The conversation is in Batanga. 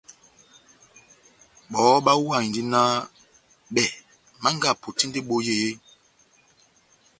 Bɔhɔ bahuwahindi nah bɛh Manga apotindi ebohi eeeh?